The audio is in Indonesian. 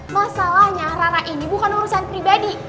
masalahnya rara ini bukan urusan pribadi